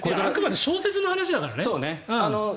あくまで小説の話だから。